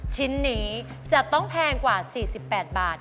ชิ้นนี้จะต้องแพงกว่า๔๘บาท